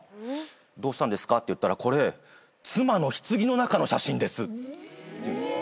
「どうしたんですか」って言ったら「これ妻のひつぎの中の写真です」って言うんです。